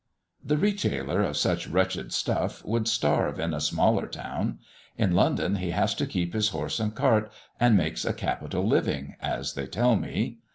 The retailer of such wretched stuff, would starve in a smaller town; in London he has to keep his horse and cart, and makes a capital living, as they tell me.